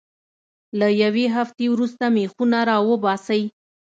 له یوې هفتې وروسته میخونه را وباسئ.